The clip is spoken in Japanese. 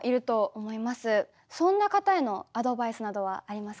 そんな方へのアドバイスなどはありますか？